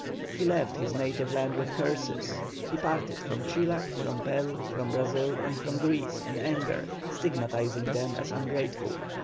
He left his native land with curses, he parted from Chile, from Peru, from Brazil, and from Greece in anger, stigmatizing them as ungrateful.